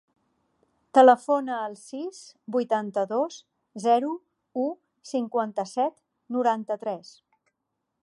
Telefona al sis, vuitanta-dos, zero, u, cinquanta-set, noranta-tres.